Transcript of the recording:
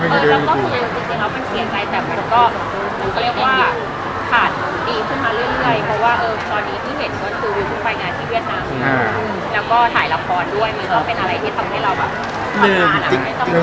และถ่ายละครด้วยก็เป็นอะไรที่ทำให้เราค่อนล่าง